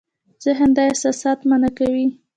ذهن دا احساسات مانا کوي.